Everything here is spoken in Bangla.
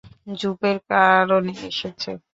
জুপের কারণে এসেছে।